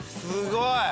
すごい。